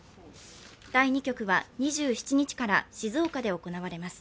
第２局は２７日から静岡で行われます。